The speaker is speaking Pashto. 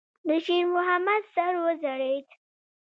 د شېرمحمد سر وځړېد.